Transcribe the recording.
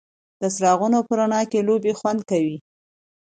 د څراغونو په رڼا کې لوبه خوند کوي.